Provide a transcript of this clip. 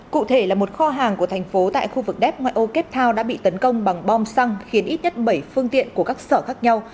cụ thể là một kho hàng của thành phố tại khu vực đép ngoại ô cap thao đã bị tấn công bằng bom xăng khiến ít nhất bảy phương tiện của các sở khác nhau